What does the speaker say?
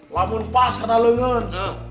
lamun pas kata lengen